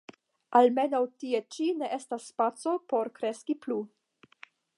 Almenaŭ tie ĉi ne estas spaco por kreski plu.